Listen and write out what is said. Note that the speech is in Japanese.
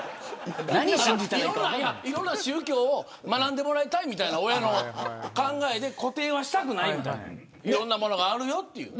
いろんな宗教を学んでもらいたいみたいな親の考えで固定はしたくないみたいでいろんなものがあるよっていう。